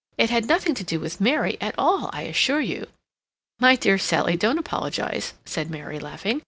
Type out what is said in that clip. It had nothing to do with Mary at all, I assure you." "My dear Sally, don't apologize," said Mary, laughing.